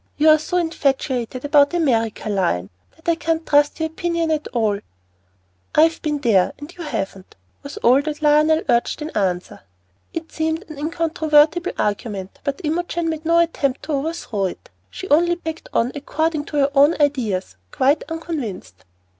You are so infatuated about America, Lion, that I can't trust your opinion at all." "I've been there, and you haven't," was all that Lionel urged in answer. It seemed an incontrovertible argument, but Imogen made no attempt to overthrow it. She only packed on according to her own ideas, quite unconvinced.